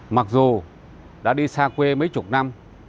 mặc dù đã đi xa quê mấy chục năm